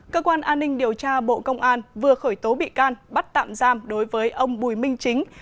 cơ quan an ninh điều tra bộ công an vừa khởi tố bị can bắt tạm giam đối với ông bùi minh chính